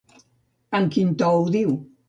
Amb quin to ho diu?